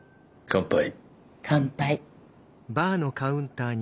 乾杯。